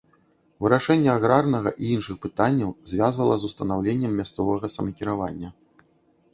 Вырашэнне аграрнага і іншых пытанняў звязвала з устанаўленнем мясцовага самакіравання.